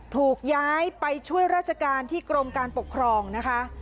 ถูกย้ายไปช่วยราชการที่กรมการปกครองนะคะ